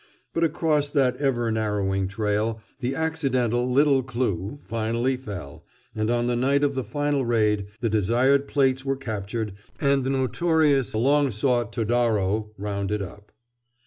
But across that ever narrowing trail the accidental little clue finally fell, and on the night of the final raid the desired plates were captured and the notorious and long sought Todaro rounded up.